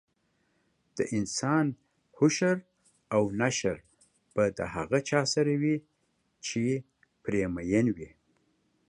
دانسان حشر او نشر به د هغه چا سره وي چې پرې مین وي